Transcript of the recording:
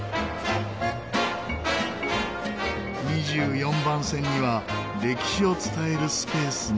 ２４番線には歴史を伝えるスペースも。